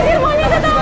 tolong diharuskan pak